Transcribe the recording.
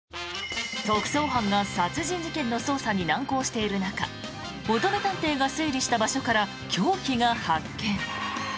特捜班が殺人事件の捜査に難航している中乙女探偵が推理した場所から凶器が発見。